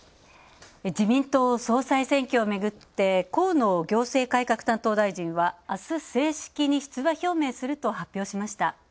自民党総裁選挙をめぐって河野行政改革担当大臣は、あす、正式に出馬表明すると発表しました。